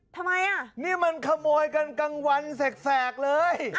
ทำไมอ่ะนี่มันขโมยกันกลางวันแสกเลย